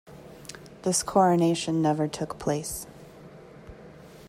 This coronation never took place.